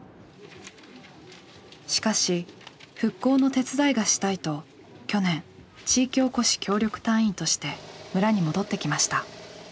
しかし「復興の手伝いがしたい」と去年地域おこし協力隊員として村に戻ってきました。